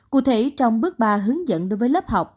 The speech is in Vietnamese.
cụ thể trong bước ba hướng dẫn đối với lớp học